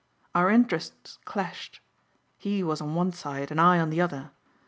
Our interests clashed. He was on one side and I on the other.